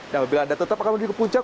dan bila anda tetap akan menuju ke puncak